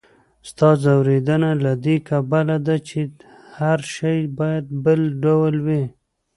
ستا ځوریدنه له دې کبله ده، چې هر شی باید بل ډول وي.